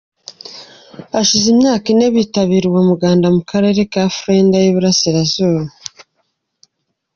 Hashize imyaka ine bitabira uwo muganda mu Karere ka Flandres y’Iburengerazuba.